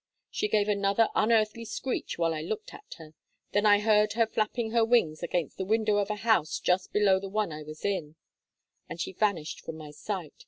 She gave another unearthly screech while I looked at her; then I heard her flapping her wings against the window of a house just below the one I was in, and she vanished from my sight.